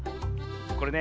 これね